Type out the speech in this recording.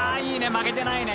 負けてないね］